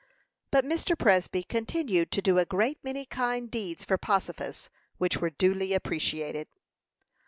But Mr. Presby continued to do a great many kind deeds for "Possifus," which were duly appreciated.